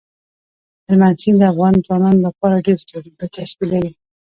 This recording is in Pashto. هلمند سیند د افغان ځوانانو لپاره ډېره دلچسپي لري.